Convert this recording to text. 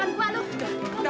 amkberar malar ca